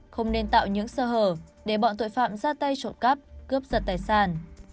không nên tạo những sơ hở để bọn tội phạm ra tay trộm cắp cướp giật tài sản